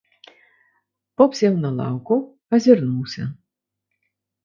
Поп сеў на лаўку, азірнуўся.